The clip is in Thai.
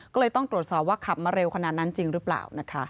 ก็เลยต้องตรวจสอบว่าขับมาเร็วขนาดนั้นจริงหรือเปล่านะคะ